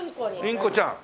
インコちゃん。